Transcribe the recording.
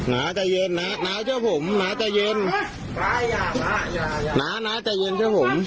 นาจะเย็นพอนายจะคุ้มมายนะคะนานาจะเย็นพร้อม